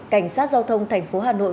cảnh sát giao thông tp hà nội